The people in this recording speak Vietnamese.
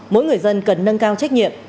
mỗi người dân cần nâng cao trách nhiệm